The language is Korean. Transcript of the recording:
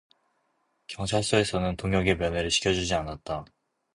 경찰서에서는 동혁의 면회를 시켜 주지 않았다.